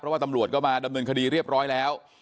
ว่าตำรวจก็มาดำเนินคดีเรียบร้อยแล้ว